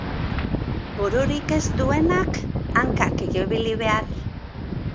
Bururik ez duenak, hankak ibili behar.